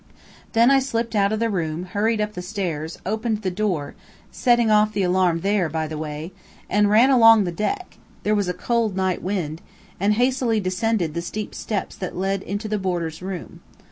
Then I slipped out of the room, hurried up the stairs, opened the door (setting off the alarm there, by the way), and ran along the deck (there was a cold night wind), and hastily descended the steep steps that led into the boarder's room.